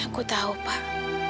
aku tahu pak